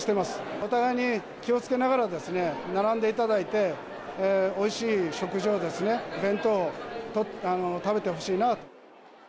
お互いに気をつけながら並んでいただいて、おいしい食事を、弁当を食べてほしいなあ。